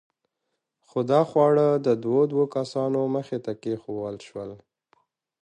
خو دا خواړه د دوو دوو کسانو مخې ته کېښوول شول.